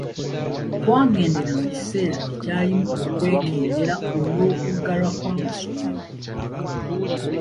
Twagendera mu kiseera ekyalimu okwekengera olw’okuggalwa kw’amasomero.